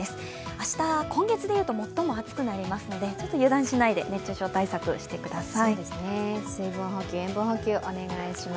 明日、今月でいうと最も暑くなるのでちょっと油断しないで、熱中症対策をしてください。